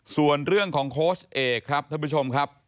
ส่วนเรื่องของโค้ชเอกครับท่านผู้ชมครับ